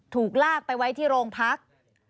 ถูกลากไปไว้ที่โรงพัก